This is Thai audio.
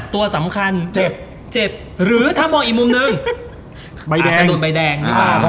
ตัวสำคัญเจ็บหรือถ้ามองอีกมุมนึงอาจจะโดนใบแดง